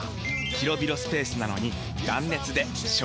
広々スペースなのに断熱で省エネ！